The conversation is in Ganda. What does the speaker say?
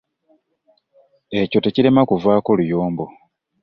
Ekyo tekirema kuvaako luyombo.